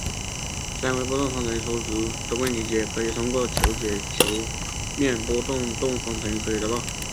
三维波动方程初值问题的解可以通过求解球面波波动方程得到。